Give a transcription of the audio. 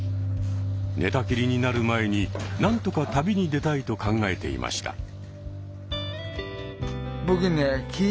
寝たきりになる前になんとか旅に出たいと考えていました。